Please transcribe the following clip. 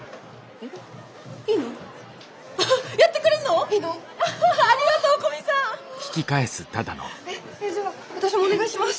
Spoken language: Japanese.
えっじゃあ私もお願いします！